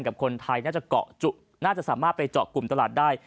กับคนไทยน่าจะเกาะจุน่าจะสามารถไปเจาะกลุ่มตลาดได้